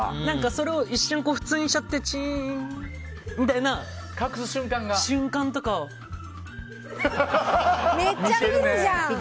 それを一瞬、普通にしちゃってチーンみたいなめっちゃ見るじゃん。